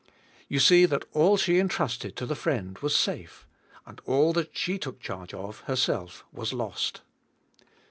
" You see that all she entrusted to the friend was safe, and all that she took charge of, herself, was lost.